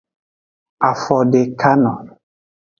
Afodekano.